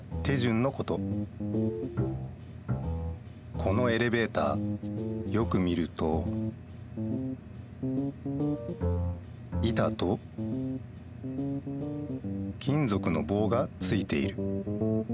このエレベーターよく見ると板と金ぞくの棒がついている。